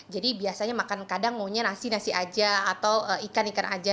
jadi biasanya makan kadang ngunya nasi nasi aja atau ikan ikan aja